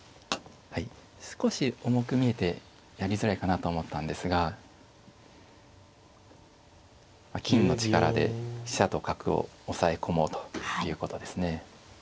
少し重く見えてやりづらいかなと思ったんですが金の力で飛車と角を押さえ込もうということですね。